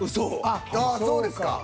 あっそうですか。